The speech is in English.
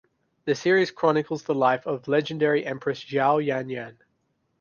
The series chronicles the life of legendary Empress Xiao Yanyan.